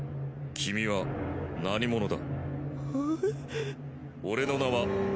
君は何者だ？